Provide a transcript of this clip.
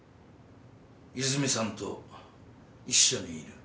泉さんと一緒にいる。